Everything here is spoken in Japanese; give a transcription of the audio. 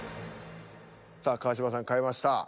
さあ川島さん変えました。